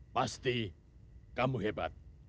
pasti kamu hebat